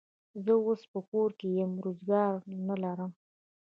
زه اوس په کور یمه، روزګار نه لرم.